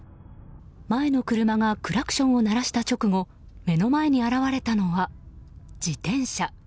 前の車がクラクションを鳴らした直後目の前に現れたのは、自転車。